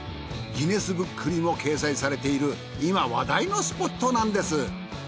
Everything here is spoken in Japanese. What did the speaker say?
ギネスブックにも掲載されている今話題のスポットなんです。